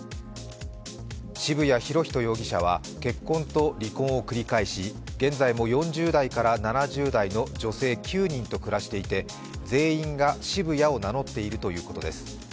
渋谷博仁容疑者は結婚と離婚を繰り返し現在も４０代から７０代の女性９人と暮らしていて全員が渋谷を名乗っているということです。